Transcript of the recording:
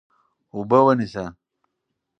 اوبه ونیسه.